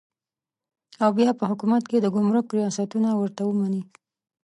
او بیا په حکومت کې د ګمرک ریاستونه ورته ومني.